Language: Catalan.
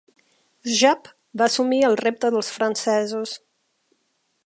Giap va assumir el repte dels francesos.